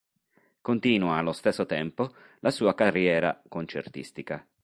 Continua allo stesso tempo la sua carriera concertistica.